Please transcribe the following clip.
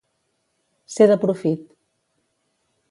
Ser de profit.